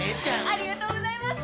ありがとうございます！